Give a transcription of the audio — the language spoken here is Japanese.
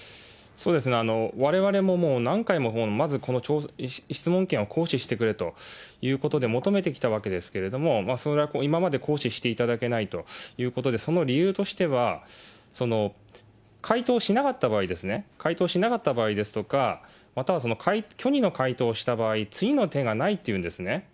そうですね、われわれももう、何回も、まずこの質問権を行使してくれということで求めてきたわけですけれども、それが今まで行使していただけないということで、その理由としては、回答しなかった場合ですね、回答しなかった場合ですとか、または虚偽の回答をした場合、次の手がないというんですね。